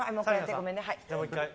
ごめんね。